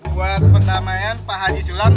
buat penamaian pak haji zulam